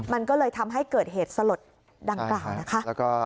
มันก็เลยทำให้เกิดเหตุสลดดังกล่าวนะคะ